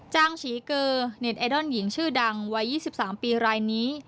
งฉีเกอร์เน็ตไอดอลหญิงชื่อดังวัย๒๓ปีรายนี้